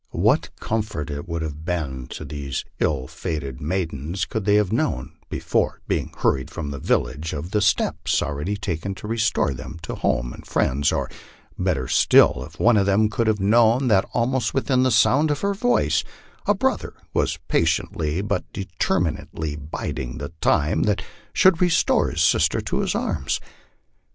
What comfort it would have been to these ill fated maidens could they have known, before being hurried from the village, of the steps already taken to restore them to home and friends, or better still, if one of them could have known that almost within the sound of her voice, a brother was patiently but determinedly biding the time that should restore his sister to his arms.